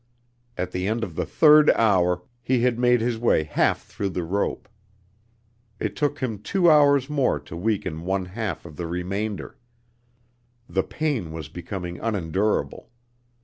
At the end of the third hour he had made his way half through the rope. It took him two hours more to weaken one half of the remainder. The pain was becoming unendurable.